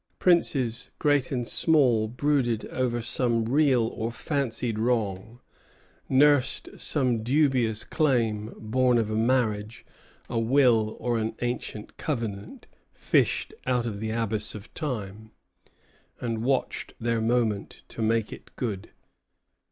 Princes, great and small, brooded over some real or fancied wrong, nursed some dubious claim born of a marriage, a will, or an ancient covenant fished out of the abyss of time, and watched their moment to make it good.